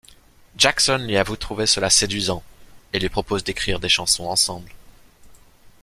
Jackson lui avoue trouver cela séduisant et lui propose d'écrire des chansons ensemble.